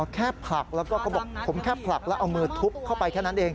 แค่ผลักแล้วก็เขาบอกผมแค่ผลักแล้วเอามือทุบเข้าไปแค่นั้นเอง